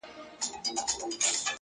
ډېر دي له لمني او ګرېوانه اور اخیستی دی!